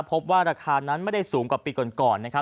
พบว่าราคานั้นไม่ได้สูงกว่าปีก่อนนะครับ